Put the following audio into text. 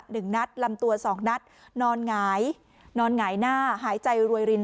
หนึ่งนัดลำตัวสองนัดนอนหงายนอนหงายหน้าหายใจรวยริน